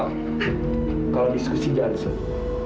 tolong kalau diskusi jangan disuruh